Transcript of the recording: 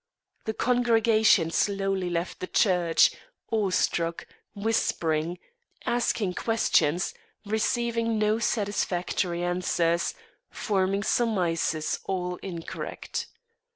The congregation slowly left the church, awestruck, whispering, asking questions, receiving no satisfactory answers, forming surmises all incorrect.